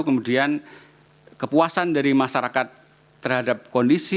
kemudian kepuasan dari masyarakat terhadap kondisi